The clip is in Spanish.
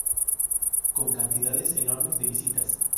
Con cantidades enormes de visitas.